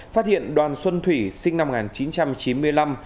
phát hiện đoàn xuân thủy sinh năm một nghìn chín trăm chín mươi năm